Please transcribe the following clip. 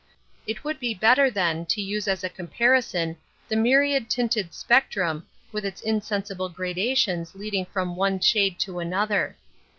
It would be better, then, to use as a \w.J comparison the myriad tinted spectrum, / 1 with its insensible gradations leading from/ ' one shade to another.